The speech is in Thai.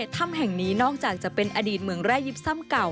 ถ้ำแห่งนี้นอกจากจะเป็นอดีตเมืองแร่ยิบซ่ำเก่า